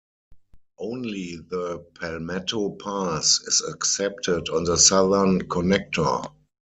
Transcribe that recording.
Only the Palmetto Pass is accepted on the Southern Connector.